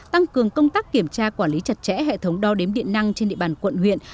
tăng cường công tác kiểm tra quản lý chặt chẽ hệ thống đo đếm điện năng trên địa bàn quận huyện